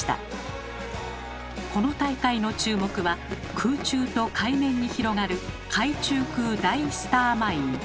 この大会の注目は空中と海面に広がる「海中空大スターマイン」。